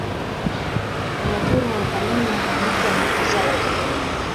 Wanyaturu wanathamini mwanamke anapozaa watoto wengi